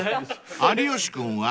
［有吉君は？］